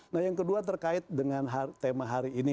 nah yang kedua terkait dengan tema hari ini